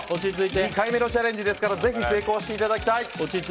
２回目のチャレンジですからぜひ成功していただきたい！